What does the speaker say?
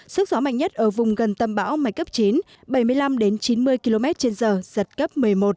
sức gió mạnh nhất ở vùng gần tâm bão mạnh cấp chín bảy mươi năm chín mươi km trên giờ giật cấp một mươi một